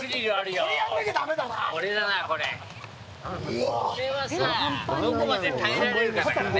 これはさ、どこまで耐えられるかだからね。